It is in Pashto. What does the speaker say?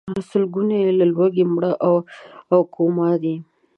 سلګونه یې له لوږې مړه او کوما دي.